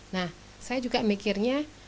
nah saya juga mikirnya